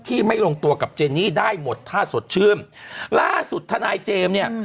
ไม่ลงตัวกับเจนี่ได้หมดท่าสดชื่นล่าสุดทนายเจมส์เนี่ย